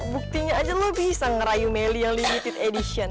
buktinya aja lo bisa ngerayu meli yang limited edition